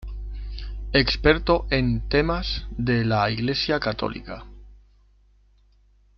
Experto en temas de la Iglesia católica.